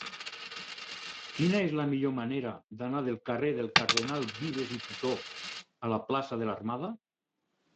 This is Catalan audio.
Quina és la millor manera d'anar del carrer del Cardenal Vives i Tutó a la plaça de l'Armada?